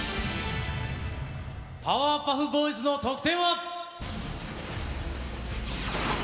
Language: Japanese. パワーパフボーイズの得点は。